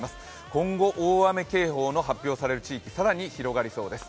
今後、大雨警報の発表される地域更に拡大されそうです。